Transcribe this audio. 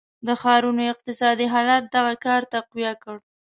د ښارونو اقتصادي حالت دغه کار تقویه کړ.